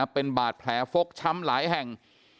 เป็นบาดแผลฟกช้ำหลายแห่ง